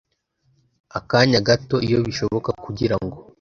akanya gato iyo bishoboka kugira ngo